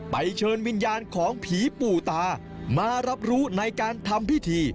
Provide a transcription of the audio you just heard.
เชิญวิญญาณของผีปู่ตามารับรู้ในการทำพิธี